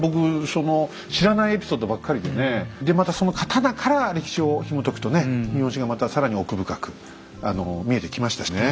その知らないエピソードばっかりでねでまたその刀から歴史をひもとくとね日本史がまた更に奥深くあの見えてきましたしね。